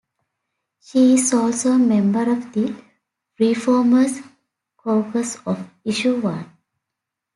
She is also a member of the ReFormers Caucus of Issue One.